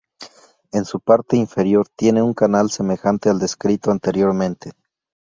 En su parte inferior, tiene un canal semejante al descrito anteriormente.